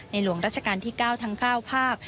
หลวงราชการที่๙ทั้ง๙ภาค